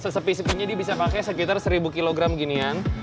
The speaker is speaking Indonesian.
sepisipunnya dia bisa pakai sekitar seribu kilogram ginian